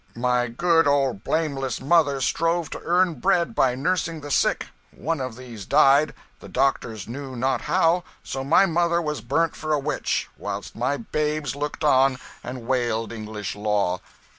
My good old blameless mother strove to earn bread by nursing the sick; one of these died, the doctors knew not how, so my mother was burnt for a witch, whilst my babes looked on and wailed. English law!